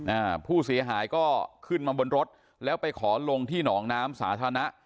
อ่าผู้เสียหายก็ขึ้นมาบนรถแล้วไปขอลงที่หนองน้ำสาธารณะ